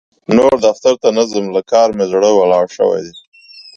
نور دفتر ته نه ځم؛ له کار مې زړه ولاړ شوی دی.